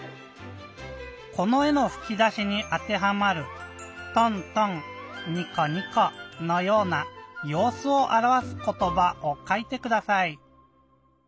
このえのふき出しにあてはまる「とんとん」「にこにこ」のような「ようすをあらわすことば」をかいてください！